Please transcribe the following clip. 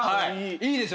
いいですか？